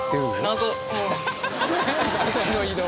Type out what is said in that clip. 謎の移動！